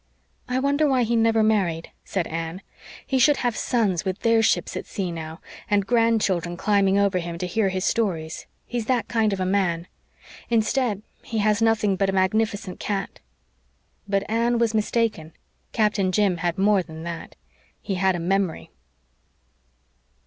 "I wonder why he never married," said Anne. "He should have sons with their ships at sea now, and grandchildren climbing over him to hear his stories he's that kind of a man. Instead, he has nothing but a magnificent cat." But Anne was mistaken. Captain Jim had more than that. He had a memory.